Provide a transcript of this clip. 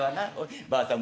ばあさん